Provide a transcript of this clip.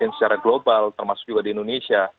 secara global termasuk juga di indonesia